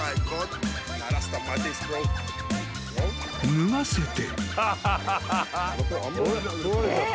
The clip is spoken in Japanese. ［脱がせて］